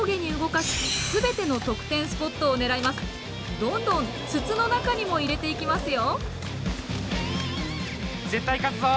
どんどん筒の中にも入れていきますよ！